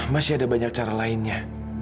masih ada banyak cara lainnya